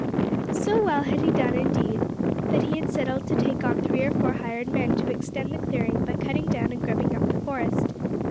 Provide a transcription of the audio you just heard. So well had he done, indeed, that he had settled to take on three or four hired men to extend the clearing by cutting down and grubbing up the forest.